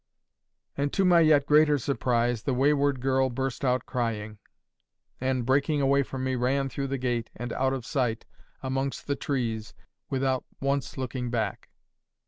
And to my yet greater surprise, the wayward girl burst out crying, and, breaking away from me, ran through the gate, and out of sight amongst the trees, without once looking back.